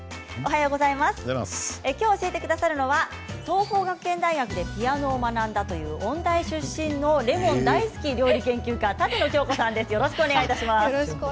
今日教えてくださるのは桐朋学園大学でピアノを学んだという音大出身のレモン大好き料理研究家舘野鏡子さんです。